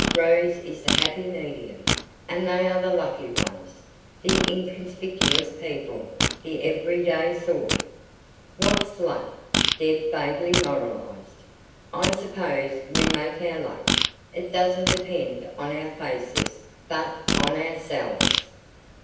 Rose is the happy medium. And THEY are the lucky ones the inconspicuous people the every day sort " "What's luck?" Deb vaguely moralised. "I suppose we make our luck. It doesn't depend on our faces, but on ourselves."